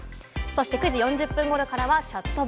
９時４０分頃からはチャットバ。